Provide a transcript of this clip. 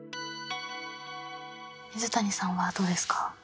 水谷さんは、どうですか。